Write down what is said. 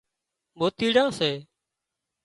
موتيڙان سي